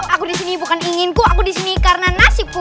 aku disini bukan inginku aku disini karena nasibku